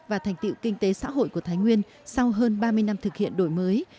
và thành tiệu kinh tế xã hội của thái nguyên sau hơn ba mươi năm thực hiện đổi mới